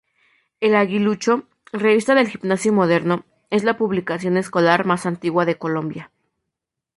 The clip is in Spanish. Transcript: El Aguilucho, revista del Gimnasio Moderno, es la publicación escolar más antigua de Colombia.